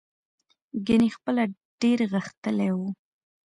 ګنې خپله ډېر غښتلی و.